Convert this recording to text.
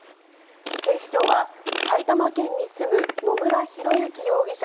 警視庁は、埼玉県に住む野村広之容疑者